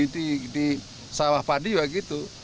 di sawah padi begitu